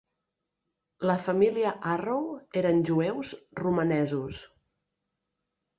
La família Arrow eren jueus romanesos.